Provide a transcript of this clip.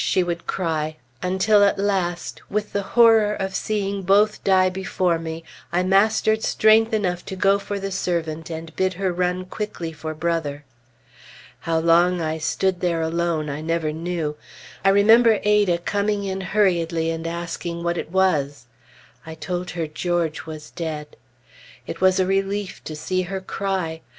she would cry; until at last, with the horror of seeing both die before me, I mastered strength enough to go for the servant and bid her run quickly for Brother. How long I stood there alone, I never knew. I remember Ada coming in hurriedly and asking what it was. I told her George was dead. It was a relief to see her cry.